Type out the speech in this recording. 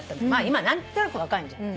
今何となく分かるじゃん。